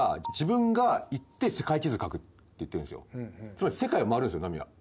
つまり世界を回るんすよナミは。